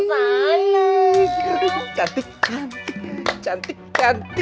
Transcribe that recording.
ya tapi saya udah kaget